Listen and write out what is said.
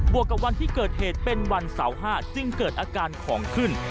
วกกับวันที่เกิดเหตุเป็นวันเสาร์๕จึงเกิดอาการของขึ้น